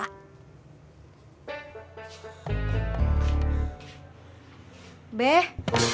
kau yang payah